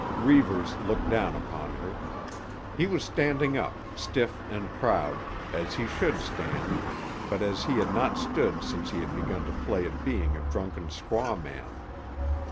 Reivers looked down upon her. He was standing up, stiff and proud, as he should stand, but as he had not stood since he had begun to play at being a drunken squaw man.